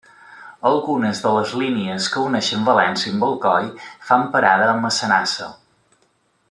Algunes de les línies que uneixen València amb Alcoi fan parada a Massanassa.